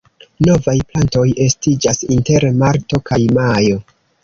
Novaj plantoj estiĝas inter marto kaj majo.